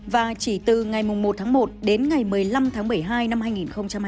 và chỉ từ ngày một tháng một đến ngày một mươi năm tháng một đảng viên vi phạm đảng dân phát huy hiệu quả trong cuộc sống